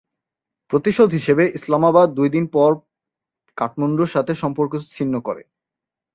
প্রতিশোধ হিসেবে ইসলামাবাদ দুই দিন পর কাঠমান্ডুর সাথে সম্পর্ক ছিন্ন করে।